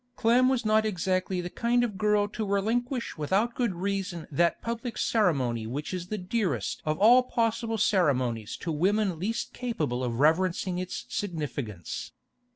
Clem was not exactly the kind of girl to relinquish without good reason that public ceremony which is the dearest of all possible ceremonies to women least capable of reverencing its significance.